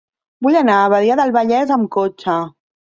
Vull anar a Badia del Vallès amb cotxe.